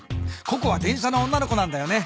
ココは電車の女の子なんだよね。